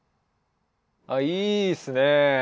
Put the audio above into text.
いいっすね。